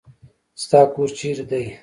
ستا کور چیرې دی؟